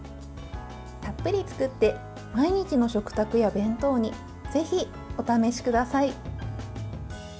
たっぷり作って毎日の食卓や弁当にぜひ、お試しください。